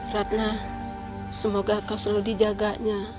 ratna semoga kau selalu dijaganya